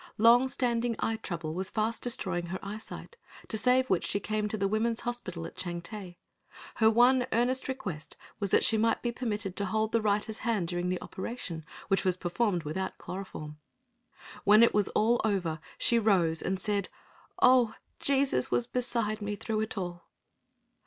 Long standing eye trouble was fast destroying her eyesight, to save which she came to the women's hospital at Changte. Her one earnest request was that she might be permitted to hold the writer's hand during the operation, which was performed without chloroform. When all was over, she rose and said, "Oh, Jesus was beside me through it all."